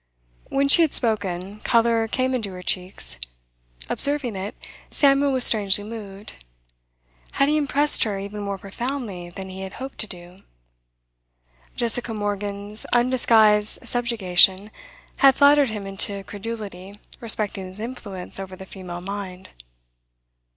When she had spoken, colour came into her cheeks. Observing it, Samuel was strangely moved. Had he impressed her even more profoundly than he hoped to do? Jessica Morgan's undisguised subjugation had flattered him into credulity respecting his influence over the female mind.